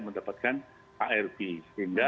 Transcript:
mendapatkan arp sehingga